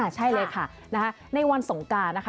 ใช่เลยค่ะในวันสงการนะคะ